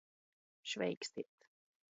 Šveikstēt.